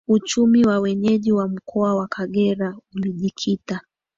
Uchumi wa wenyeji wa mkoa wa Kagera ulijikita